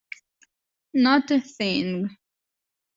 Not a thing.